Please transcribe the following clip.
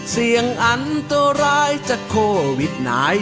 เสี่ยงอันตัวร้ายจากโควิด๑๙